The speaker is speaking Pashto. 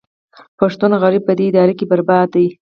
پښتون غریب په دې اداره کې برباد دی